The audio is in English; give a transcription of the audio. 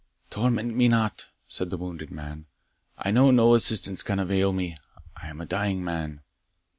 "Torment me not," said the wounded man "I know no assistance can avail me I am a dying man."